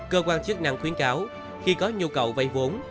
cơ quan chức năng khuyến cáo khi có nhu cầu vay vốn